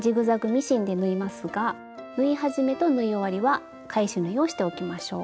ミシンで縫いますが縫い始めと縫い終わりは返し縫いをしておきましょう。